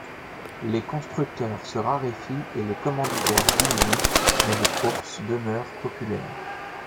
Les constructeurs se raréfient et les commanditaires diminuent mais les courses demeurent populaires.